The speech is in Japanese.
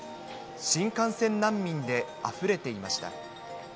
新幹線難民であふれていました。